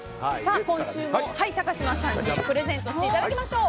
今週も高嶋さんにプレゼントしていただきましょう。